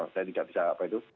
saya tidak bisa apa itu